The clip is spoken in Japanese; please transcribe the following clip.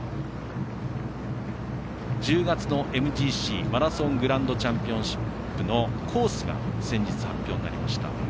１０月のＭＧＣ＝マラソングランドチャンピオンシップのコースが先日、発表になりました。